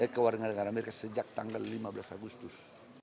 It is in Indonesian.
kewarganegaraan amerika sejak tanggal lima belas agustus